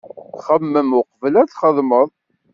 Xemmem uqbel ad txedmeḍ!